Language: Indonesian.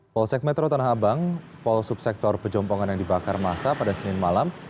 polsek metro tanah abang pol subsektor pejompongan yang dibakar masa pada senin malam